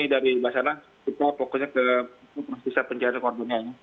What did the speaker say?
dari bahasanya kita fokusnya ke proses pencahayaan kordenanya